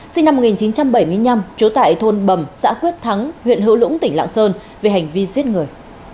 sinh năm một nghìn chín trăm bảy mươi năm trú tại thôn bầm xã quyết thắng huyện hữu lũng tỉnh lạng sơn về hành vi giết người